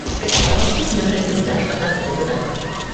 His spouse was known at his death as Isabella.